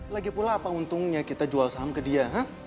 lagipula apa untungnya kita jual saham ke dia